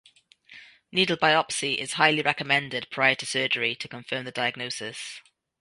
Needle biopsy is highly recommended prior to surgery to confirm the diagnosis.